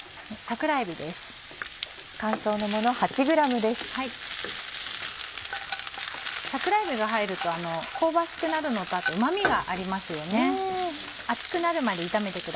桜えびが入ると香ばしくなるのとあとうま味がありますよね。